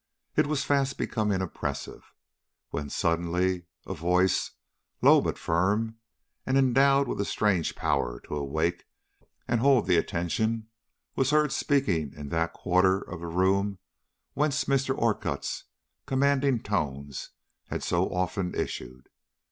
It was fast becoming oppressive, when suddenly a voice, low but firm, and endowed with a strange power to awake and hold the attention, was heard speaking in that quarter of the room whence Mr. Orcutt's commanding tones had so often issued.